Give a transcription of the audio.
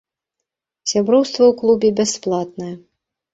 Сяброўства ў клубе бясплатнае.